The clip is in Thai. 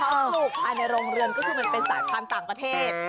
เขาปลูกภายในโรงเรือนก็คือมันเป็นสายพันธุ์ต่างประเทศ